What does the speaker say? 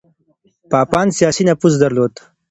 پاپان سياسي نفوذ درلود.